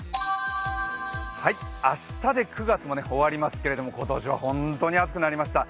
明日で９月も終わりますけど今年は本当に暑くなりました。